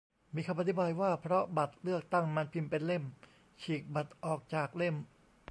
มีคำอธิบายว่าเพราะบัตรเลือกตั้งมันพิมพ์เป็นเล่ม ฉีกบัตรออกจากเล่ม